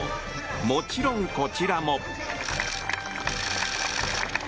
もちろん、こちらも。